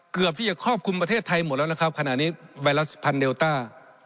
เกือบที่จะครอบคลุมประเทศไทยหมดแล้วนะครับขณะนี้ไวรัสพันเลต้า